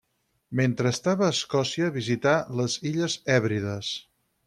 Mentre estava a Escòcia visità les Illes Hèbrides.